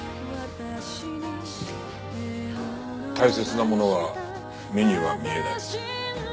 「大切なものは目には見えない」。